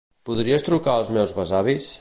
Podries trucar als meus besavis?